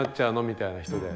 みたいな人で。